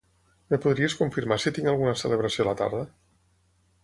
Em podries confirmar si tinc alguna celebració a la tarda?